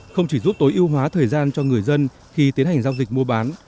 không chỉ giúp tối ưu hóa thời gian cho người dân khi tiến hành giao dịch mua bán